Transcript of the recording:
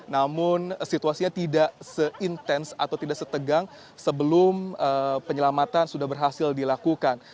namun situasinya tidak se intens atau tidak setegang sebelum penyelamatan sudah berhasil dilakukan